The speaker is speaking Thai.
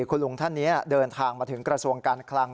คุณลุงท่านนี้เดินทางมาถึงกระทรวงการคลัง